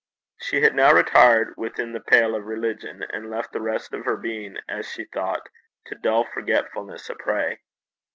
She had now retired within the pale of religion, and left the rest of her being, as she thought, 'to dull forgetfulness a prey.'